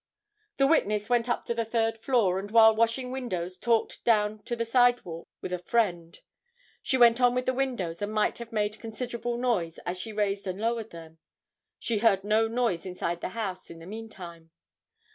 The witness went up into the third floor, and while washing windows talked down to the sidewalk with a friend. She went on with the windows and might have made considerable noise as she raised and lowered them. She heard no noise inside the house in the meantime.